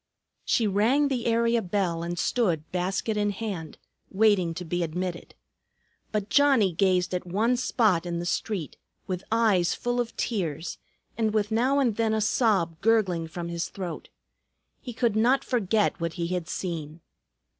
She rang the area bell and stood basket in hand, waiting to be admitted. But Johnnie gazed at one spot in the street, with eyes full of tears, and with now and then a sob gurgling from his throat. He could not forget what he had seen.